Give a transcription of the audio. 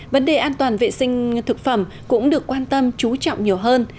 vấn đề an toàn vệ sinh thực phẩm cũng được quan tâm chú trọng nhiều hơn